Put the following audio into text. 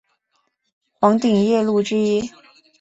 黄顶夜鹭之一。